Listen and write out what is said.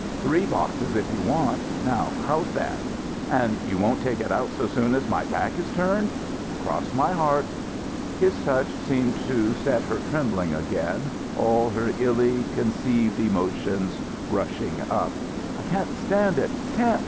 "Three boxes if you want. Now, how's that?" "And you won't take it out so soon as my back is turned?" "Cross my heart." His touch seemed to set her trembling again, all her illy concealed emotions rushing up. "I can't stand it! Can't!